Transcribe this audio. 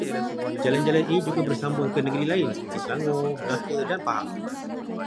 Jalan-jalan ini juga bersambung ke negeri lain seperti Selangor, Melaka dan Pahang